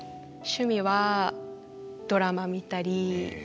趣味はドラマ見たり。